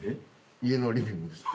家のリビングです。